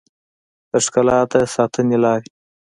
د ښکلا د ساتنې لارې